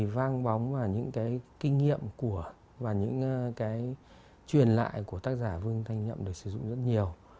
vang bóng và những cái kinh nghiệm và những cái truyền lại của tác giả vương thanh nhậm được sử dụng rất nhiều